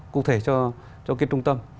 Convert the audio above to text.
cụ thể cho trung tâm